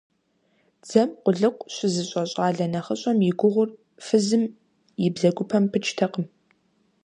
Дзэм къулыкъу щызыщӀэ щӀалэ нэхъыщӀэм и гугъур фызым и бзэгупэм пыкӀтэкъым.